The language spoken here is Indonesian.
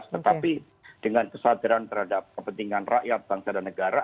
tetapi dengan kesadaran terhadap kepentingan rakyat bangsa dan negara